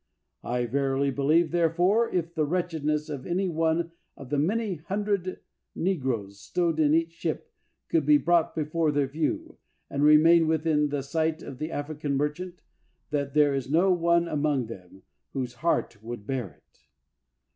I verily believe, therefore, if the wretchedness of any one of the many hundred negroes stowed in each ship could be brought before their view, and remain within the sight of the African mer chant, that there is no one among them whose heart would bear it.